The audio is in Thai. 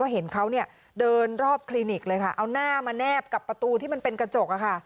เห็นเขาเดินรอบคลินิกเลยค่ะเอาหน้ามาแนบกับประตูที่มันเป็นกระจก